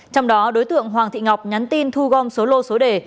trong đó đối tượng hoàng thị ngọc nhắn tin thu gom số lô số đề